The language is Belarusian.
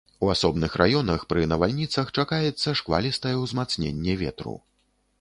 У асобных раёнах пры навальніцах чакаецца шквалістае ўзмацненне ветру.